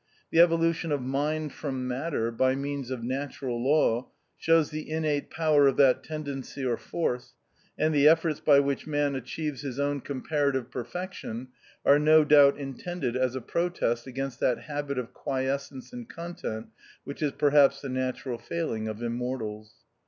The evolution of mind from matter, by means of natural law, shows the innate power of that tendency or force, and the efforts by which Man achieves his own comparative perfection, are no doubt in tended as a protest against that habit of quiescence and content which is perhaps the natural failing of Immortals.